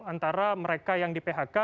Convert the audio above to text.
antara mereka yang di phk